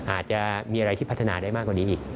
อาจจะมีอะไรที่พัฒนาได้มากกว่านี้อีก